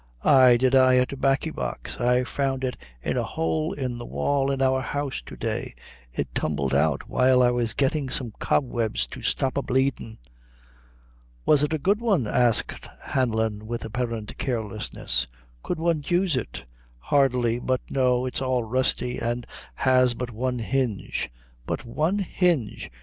"Ay did I a tobaccy box. I found it in a hole in the wall in our house to day; it tumbled out while I was gettin' some cobwebs to stop a bleedin'." "Was it a good one?" asked Hanlon, with apparent carelessness, "could one use it?" "Hardly; but no, it's all rusty, an' has but one hinge." "But one hinge!"